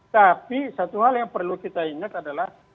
tapi satu hal yang perlu kita ingat adalah